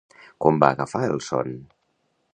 Com va agafar el son?